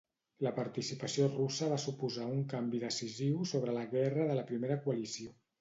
La participació russa va suposar un canvi decisiu sobre la guerra de la Primera Coalició.